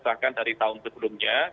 bahkan dari tahun sebelumnya